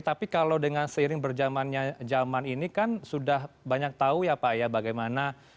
tapi kalau dengan seiring berjaman jaman ini kan sudah banyak tahu ya pak